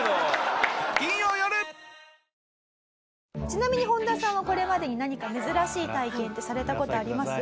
ちなみに本田さんはこれまでに何か珍しい体験ってされた事あります？